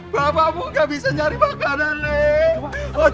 bapakmu gak bisa nyari makanan nih